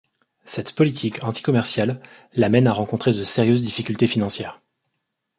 Cette politique anticommerciale l'amène à rencontrer de sérieuses difficultés financières.